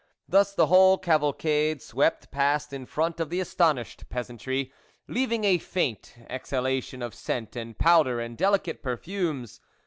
Thus the whole cavalcade swept past in front of the astonished THE WOLF LEADER peasantry, leaving a faint exhalation of scent and powder and delicate perfumes.